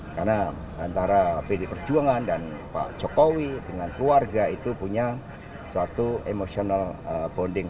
karena antara pd perjuangan dan pak jokowi dengan keluarga itu punya suatu emotional bonding